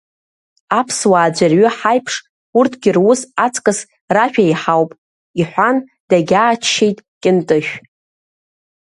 Аԥсуаа аӡәырҩы ҳаиԥш, урҭгьы рус аҵкыс ражәа еиҳауп, – иҳәан, дагьааччеит Кьынтышә.